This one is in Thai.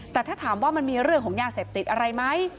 แต่ถ้าถามว่ามันมีเรื่องของยาเสพติดอะไรไหม